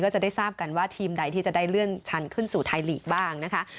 จะได้ทราบกันว่าทีมใดที่จะได้เลื่อนชั้นขึ้นสู่ไทยลีกบ้างนะคะ